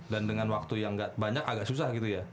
dan dengan waktu yang nggak banyak agak susah gitu ya